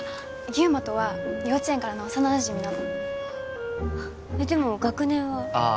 祐馬とは幼稚園からの幼なじみなのえっでも学年はああ